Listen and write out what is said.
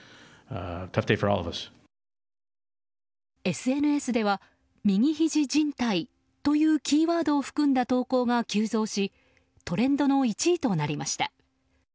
ＳＮＳでは右ひじじん帯というキーワードを含んだ投稿が急増しトレンドの１位となりました。